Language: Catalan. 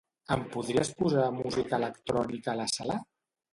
Em podries posar música electrònica a la sala?